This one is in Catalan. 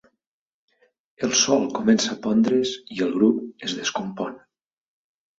El sol comença a pondre's i el grup es descompon.